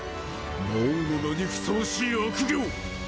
魔王の名にふさわしい悪行！